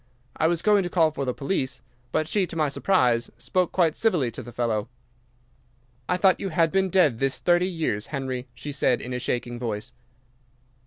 I was going to call for the police, but she, to my surprise, spoke quite civilly to the fellow. "'"I thought you had been dead this thirty years, Henry," said she, in a shaking voice.